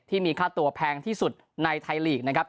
ที่มีค่าตัวแพงที่สุดในไทยลีกนะครับ